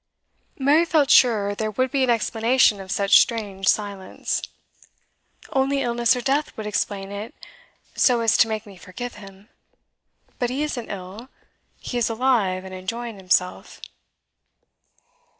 Mary felt sure there would be an explanation of such strange silence. 'Only illness or death would explain it so as to make me forgive him. But he isn't ill. He is alive, and enjoying himself.